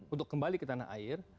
untuk kembali ke tanah air